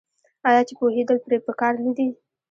آیا چې پوهیدل پرې پکار نه دي؟